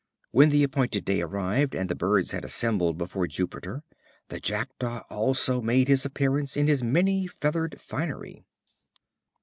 When the appointed day arrived, and the birds had assembled before Jupiter, the Jackdaw also made his appearance in his many feathered finery.